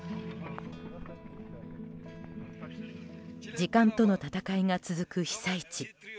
時間との戦いが続く被災地。